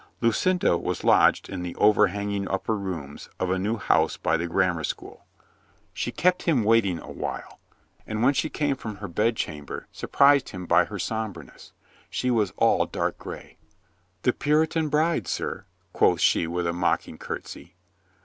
Lucinda was lodged in the overhang ing upper rooms of a new house by the grammar school. She kept him waiting a while, and when 288 COLONEL GREATHEART she came from her bed chamber surprised him by her somberness. She was all dark gray. "The Puritan bride, sir," quoth she with a mock ing curtsy.